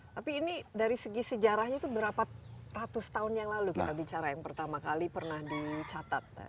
tapi ini dari segi sejarahnya itu berapa ratus tahun yang lalu kita bicara yang pertama kali pernah dicatat